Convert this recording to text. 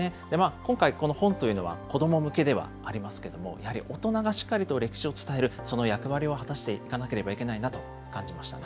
今回、この本というのは子ども向けではありますけれども、やはり大人がしっかりと歴史を伝える、その役割を果たしていかなければいけないなと感じましたね。